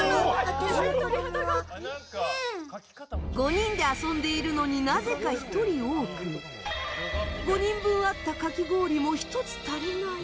５人で遊んでいるのになぜか１人多く５人分あった、かき氷も１つ足りない。